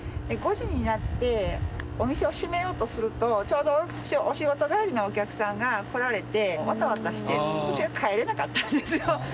で５時になってお店を閉めようとするとちょうどお仕事帰りのお客さんが来られてわたわたして私が帰れなかったんですよ。